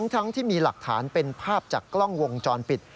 ทั้งที่มีหลักฐานเป็นภาพจากกล้องวงจรปิด